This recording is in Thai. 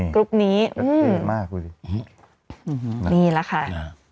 กรุ๊ปนี้นี่แหละค่ะ